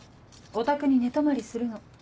お宅に寝泊まりするの。